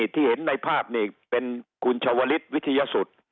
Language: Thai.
ที่เห็นในภาพนี่เป็นคุณชวลิศวิทยาสุทธิ์